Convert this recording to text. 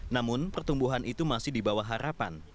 namun pertumbuhan itu masih di bawah harapan